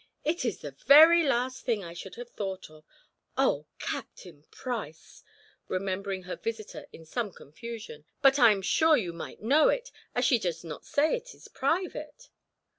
"It is the very last thing I should have thought of. Oh, Captain Price!" remembering her visitor in some confusion. "But I am sure you might know it, as she does not say it is private."